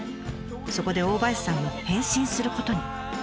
そこで大林さんも変身することに。